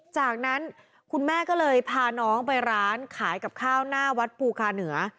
จากนั้นคุณแม่ก็เลยพาน้องไปร้านขายกับข้าวหน้าวัดภูคาเหนือ